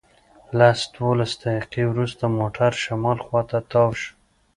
لس دولس دقیقې وروسته موټر شمال خواته تاو شو.